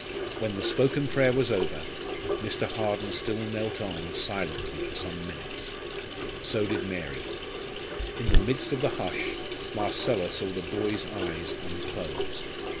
When the spoken prayer was over, Mr. Harden still knelt on silently for some minutes. So did Mary. In the midst of the hush, Marcella saw the boy's eyes unclose.